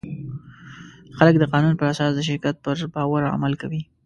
خلک د قانون پر اساس د شرکت په باور عمل کوي.